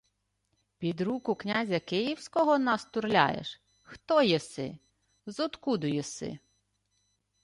— Під руку князя київського нас турляєш? Хто єси? Зодкуду єси?.